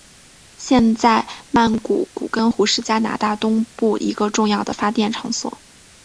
现在曼尼古根湖是加拿大东部一个重要的发电场所。